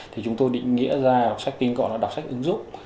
thì chúng tôi định nghĩa ra đọc sách tinh gọn là đọc sách ứng dụng